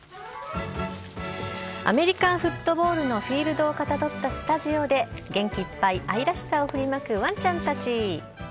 アメリカンフットボールのフィールドをかたどったスタジオで元気いっぱい愛らしさを振りまくワンちゃんたち。